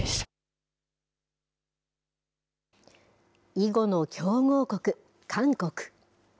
囲碁の強豪国、韓国。